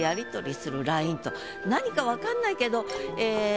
何か分かんないけど。